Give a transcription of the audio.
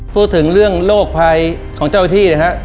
พูดถึงเรื่องโรคภัยของเจ้าที่นะครับ